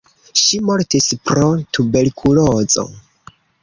Ŝi mortis pro tuberkulozo.